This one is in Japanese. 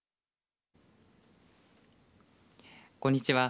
こんにちは。